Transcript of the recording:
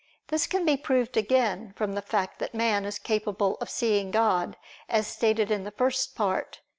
This can be proved again from the fact that man is capable of seeing God, as stated in the First Part (Q.